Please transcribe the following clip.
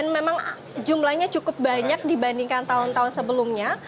memang jumlahnya cukup banyak dibandingkan tahun tahun sebelumnya